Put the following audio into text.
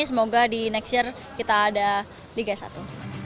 semoga di next year kita ada liga satu